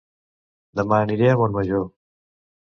Dema aniré a Montmajor